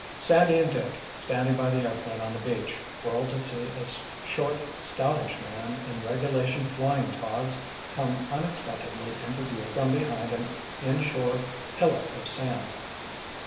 Sandy and Dick, standing by the airplane on the beach, whirled to see a short, stoutish man in regulation flying togs come unexpectedly into view from behind an inshore hillock of sand.